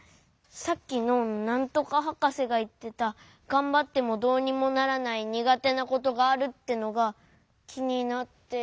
さっきのなんとかはかせがいってた「がんばってもどうにもならないにがてなことがある」ってのがきになって。